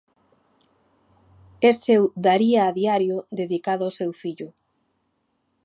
É seu Daría a diario dedicado ao seu fillo.